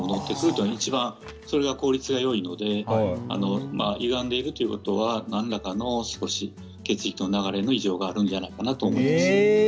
いちばんそれが効率がよいのでゆがんでいるということは何らかの、少し血液の流れの異常があるんじゃないかなと思います。